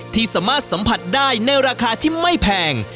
ที่สามารถสัมผัสได้ในราคาที่ไม่แพง